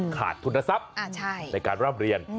ขาดทุนทรัพย์ในการร่ำเรียน